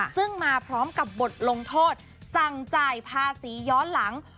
ซึ่งมาพร้อมกับบทลงโทษสั่งจ่ายภาษีย้อนหลัง